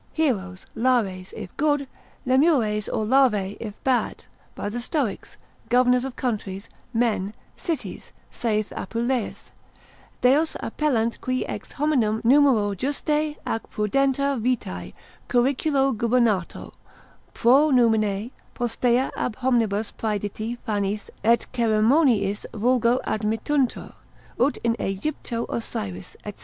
Heroes, lares, if good, lemures or larvae if bad, by the stoics, governors of countries, men, cities, saith Apuleius, Deos appellant qui ex hominum numero juste ac prudenter vitae curriculo gubernato, pro numine, postea ab hominibus praediti fanis et ceremoniis vulgo admittuntur, ut in Aegypto Osyris, &c.